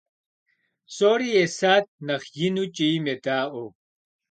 Псори есат нэхъ ину кӀийм едаӀуэу.